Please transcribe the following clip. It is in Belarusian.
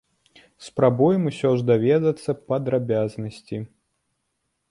Спрабуем усё ж даведацца падрабязнасці.